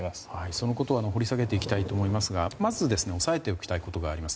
そのことを掘り下げていきたいと思いますがまず、押さえておきたいことがあります。